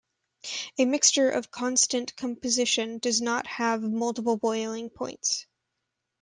A mixture of constant composition does not have multiple boiling points.